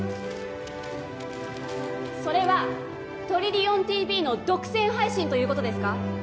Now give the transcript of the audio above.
・それはトリリオンＴＶの独占配信ということですか？